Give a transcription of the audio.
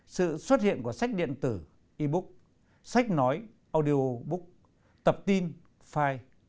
sự xuất hiện của sách điện tử e book sách nói audio book tập tin file